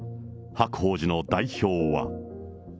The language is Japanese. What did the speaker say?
白鳳寺の代表は。